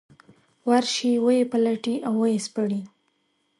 ورشي ویې پلټي او ويې سپړي.